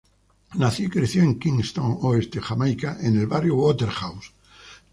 Nació y creció en Kingston Oeste, Jamaica, en el barrio Waterhouse.